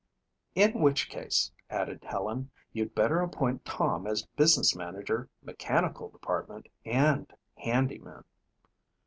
"In which case," added Helen, "you'd better appoint Tom as business manager, mechanical department, and handyman."